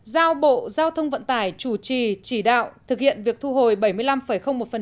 giao bộ giao thông vận tài chủ trì chỉ đạo thực hiện việc thu hồi bảy mươi năm một cổ phần tại công ty cổ phần cảng quy nhơn